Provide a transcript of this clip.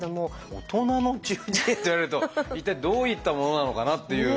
「大人の中耳炎」って言われると一体どういったものなのかなっていう。